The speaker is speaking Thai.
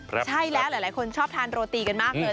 ใช่แล้วหลายคนชอบทานโรตีกันมากเลย